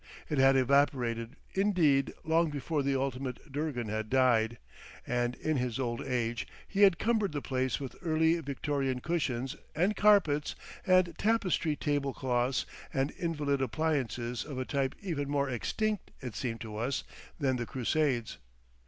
It had evaporated, indeed, long before the ultimate Durgan had died, and in his old age he had cumbered the place with Early Victorian cushions and carpets and tapestry table cloths and invalid appliances of a type even more extinct, it seemed to us, than the crusades....